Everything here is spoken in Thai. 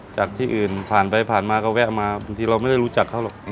จากที่อื่นผ่านไปผ่านมาก็แวะมาบางทีเราไม่ได้รู้จักเขาหรอก